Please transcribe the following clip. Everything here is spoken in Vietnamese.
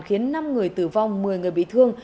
khiến năm người tử vong một mươi người bị thương